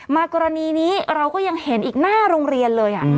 กรณีนี้เราก็ยังเห็นอีกหน้าโรงเรียนเลย